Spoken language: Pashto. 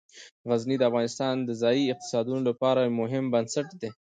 غزني د افغانستان د ځایي اقتصادونو لپاره یو مهم بنسټ دی.